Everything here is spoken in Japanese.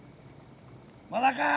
まだか？